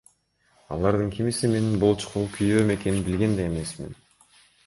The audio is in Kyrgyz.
Алардын кимиси менин болочокогу күйөөм экенин билген да эмесмин.